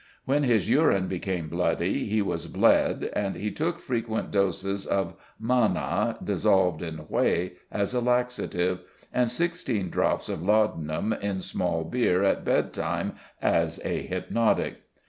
When his urine became bloody he was bled, and he took frequent doses of manna dissolved in whey as a laxative, and sixteen drops of laudanum in small beer at bedtime as a hypnotic.